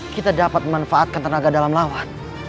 kita dapat memanfaatkan tenaga dalam lawan